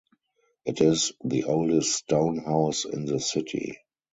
It is the oldest stone house in the city.